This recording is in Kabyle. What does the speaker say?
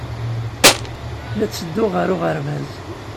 La ttedduɣ ɣer uɣerbaz.